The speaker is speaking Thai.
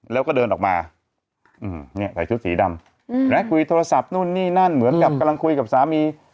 แล้วก็เดินออกมาเนี่ยใส่ชุดสีดำคุยโทรศัพท์นู่นนี่นั่นเหมือนกับกำลังคุยกับสามี